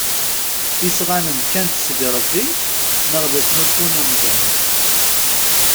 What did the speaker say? Isɣanen kkan-d seg Ṛebbi neɣ d asnulfu n umdan?